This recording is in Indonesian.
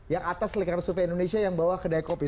yang atas lingkaran survei indonesia yang bawa kedai kopi